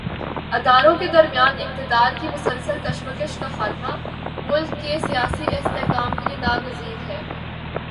اداروں کے درمیان اقتدار کی مسلسل کشمکش کا خاتمہ، ملک کے سیاسی استحکام کے لیے ناگزیر ہے۔